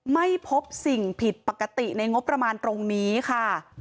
ไม่พบสิ่งผิดปกติในงบประมาณตรงนี้ค่ะ